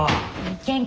元気。